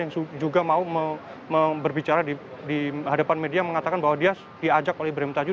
yang juga mau berbicara di hadapan media mengatakan bahwa dia diajak oleh ibrahim tajuh